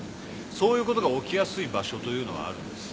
そういうことが起きやすい場所というのはあるんです。